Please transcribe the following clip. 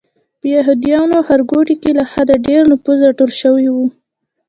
په یهودیانو ښارګوټي کې له حده ډېر نفوس راټول شوی و.